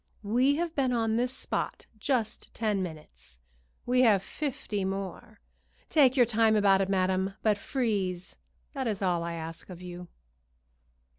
We have been on this spot just ten minutes; we have fifty more. Take your time about it, madam, but freeze, that is all I ask of you."